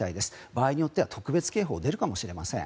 場合によっては特別警報が出るかもしれません。